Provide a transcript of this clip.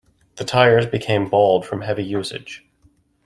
The tires became bald from heavy usage.